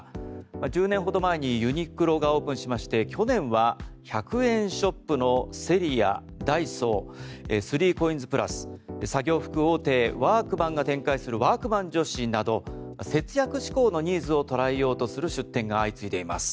１０年ほど前にユニクロがオープンしまして去年は１００円ショップのセリアダイソー、３ＣＯＩＮＳプラス作業服大手ワークマンが展開するワークマン女子など節約志向のニーズを捉えようとする出店が相次いでいます。